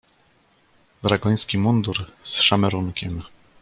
"Dragoński mundur z szamerunkiem."